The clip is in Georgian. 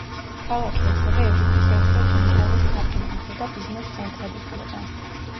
ქალაქი ასევე ევროპის ერთ-ერთ უმთავრეს საფინანსო და ბიზნეს ცენტრად ითვლება.